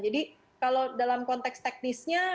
jadi kalau dalam konteks teknisnya